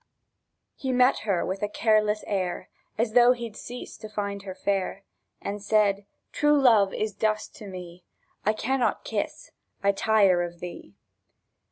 He met her with a careless air, As though he'd ceased to find her fair, And said: "True love is dust to me; I cannot kiss: I tire of thee!"